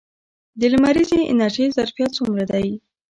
د لمریزې انرژۍ ظرفیت څومره دی؟